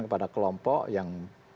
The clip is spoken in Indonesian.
kepada kelompok yang